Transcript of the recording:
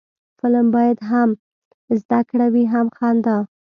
فلم باید هم زده کړه وي، هم خندا